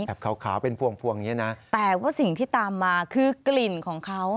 ขาวขาวเป็นพวงพวงอย่างเงี้นะแต่ว่าสิ่งที่ตามมาคือกลิ่นของเขา